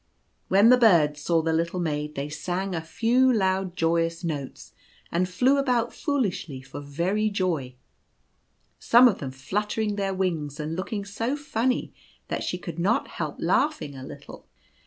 When the birds saw the little maid they sang a few loud joyous notes, and flew about foolishly for very joy — some of them fluttering their wings and looking so funny that she could not help laughing a little.